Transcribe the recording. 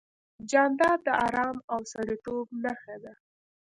جانداد د ارام او سړیتوب نښه ده.